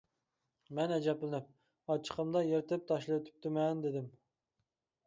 مەن ئەجەبلىنىپ: — ئاچچىقىمدا يىرتىپ تاشلىۋېتىپتىمەن، — دېدىم.